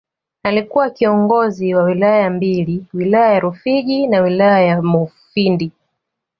Alikuwa kiongozi wa Wilaya mbili Wilaya ya Rufiji na Wilaya ya Mufindi